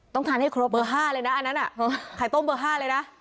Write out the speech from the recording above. ต้องทานให้ครบเบอร์๕เลยนะอันนั้นไข่ต้มเบอร์๕เลยนะ